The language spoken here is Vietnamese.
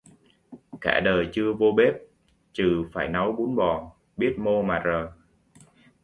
Cả đời chưa vô bếp, chừ phải nấu bún bò, biết mô mà rờ